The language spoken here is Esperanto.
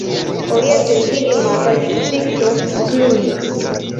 Oriente ĝi limas al distrikto Cluj.